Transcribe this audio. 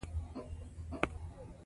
چار مغز د افغانانو د تفریح یوه وسیله ده.